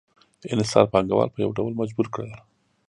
انحصار پانګوال په یو ډول مجبور کړل